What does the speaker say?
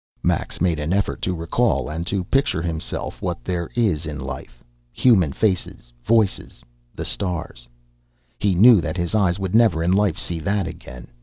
Max made an effort to recall and to picture to himself what there is in life; human faces, voices, the stars.... He knew that his eyes would never in life see that again.